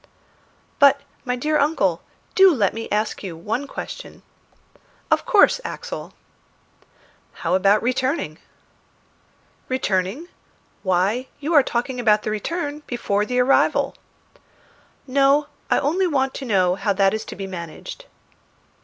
"But, my dear uncle, do let me ask you one question." "Of course, Axel." "How about returning?" "Returning? Why, you are talking about the return before the arrival." "No, I only want to know how that is to be managed."